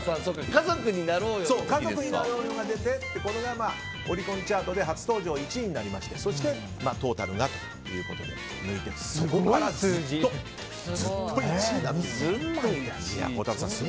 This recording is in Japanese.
「家族になろうよ」が出てこれがオリコンチャートで初登場１位になりましてそしてトータルがということで抜いて、そこからずっと１位です。